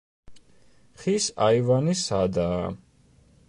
ხის აივანი სადაა.